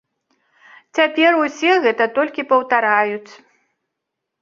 Цяпер усе гэта толькі паўтараюць.